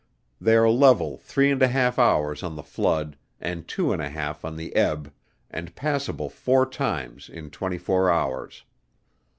They are level three and a half hours on the flood, and two and a half on the ebb, and passable four times in twenty four hours.